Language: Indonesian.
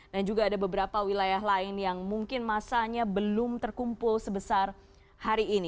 dan juga ada beberapa wilayah lain yang mungkin masanya belum terkumpul sebesar hari ini